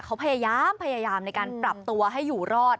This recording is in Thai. เขาพยายามพยายามในการปรับตัวให้อยู่รอด